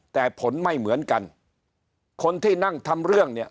แต่ผลไม่เหมือนกันคนที่นั่งทำเรื่องเนี่ย